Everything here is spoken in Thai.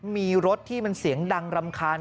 มีรถที่มันเสียงดังรำคาญ